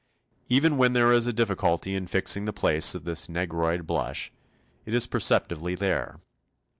Even when there is a difficulty in fixing the place of this negroid blush, it is perceptibly there.